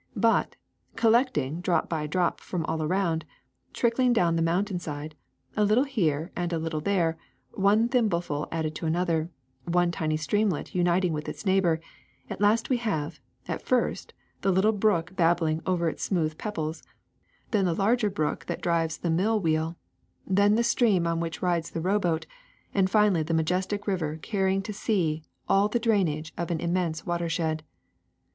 But, collecting drop by drop from all around, trickling down the mountain side, a little here and a little there, one thimbleful added to another, one tiny streamlet uniting with its neighbor, at last we have, first, the little brook babbling over its smooth pebbles, then the larger brook that drives the mill wheel, then the stream on which rides the rowboat, and finally the majestic river carrying to the sea all the drainage of an im mense watershed.